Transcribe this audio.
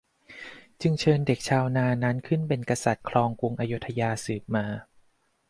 จึงเชิญเด็กชาวนานั้นขึ้นเป็นกษัตริย์ครองกรุงอโยธยาสืบมา